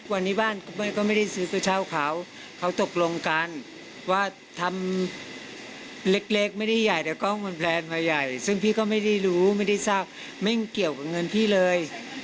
วันนี้บ้านก็ไม่ได้ซื้อไปเช่าเขาเขาตกลงกันว่าทำเล็กไม่ได้ใหญ่แต่กล้องมันแพลนมาใหญ่ซึ่งพี่ก็ไม่ได้รู้ไม่ได้ทราบไม่เกี่ยวกับเงินพี่เลย